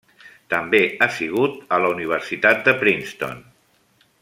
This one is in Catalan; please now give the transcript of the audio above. També ha sigut a la Universitat de Princeton.